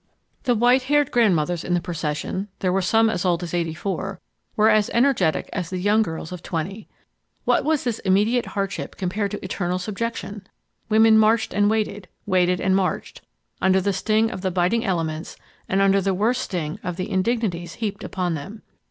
The white haired grandmothers in the procession—there were some as old as 84—were as energetic as the young girls of 20. What was this immediate hardship compared to eternal subjection! Women marched and waited—waited and marched, under the sting of the biting elements and under the worse sting of the indignities heaped upon them.